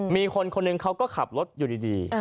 มีคนคนหนึ่งเขาก็ขับรถอยู่ดี